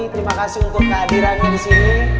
terima kasih untuk kehadirannya di sini